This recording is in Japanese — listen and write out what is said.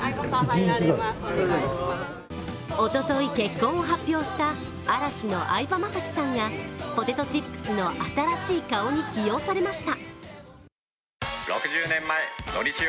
おととい結婚を発表した嵐の相葉雅紀さんがポテトチップスの新しい顔に起用されました。